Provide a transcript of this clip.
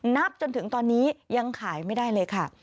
นับจนถึงตอนนี้ยังขายไม่ได้เลยค่ะ